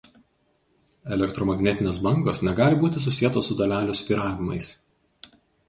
Elektromagnetinės bangos negali būti susietos su dalelių svyravimais.